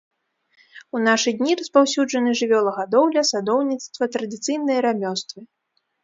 У нашы дні распаўсюджаны жывёлагадоўля, садоўніцтва, традыцыйныя рамёствы.